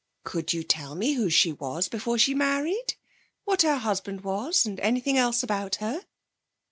'Could you tell me who she was before she married? What her husband was, and anything else about her?